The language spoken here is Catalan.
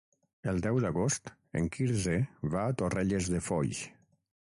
El deu d'agost en Quirze va a Torrelles de Foix.